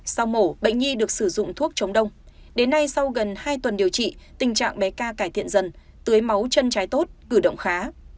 sau mổ bệnh nhi được sử dụng thuốc chống đông đến nay sau gần hai tuần điều trị tình trạng bé tra cải thiện dần tưới máu chân trái tốt cử động khá